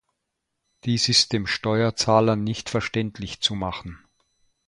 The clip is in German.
Dies ist dem Steuerzahler nicht verständlich zu machen.